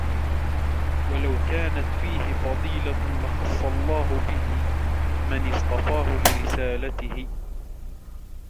وَلَوْ كَانَتْ فِيهِ فَضِيلَةٌ لَخَصَّ اللَّهُ بِهِ مَنْ اصْطَفَاهُ لِرِسَالَتِهِ